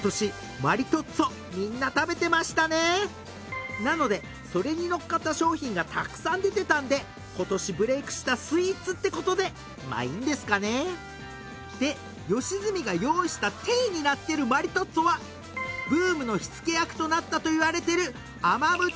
マリトッツォみんな食べてましたねなのでそれに乗っかった商品がたくさん出てたんでことしブレイクしたスイーツってことでいいんですかねで吉住が用意したていになってるマリトッツォはブームの火付け役となったといわれてる